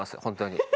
本当に。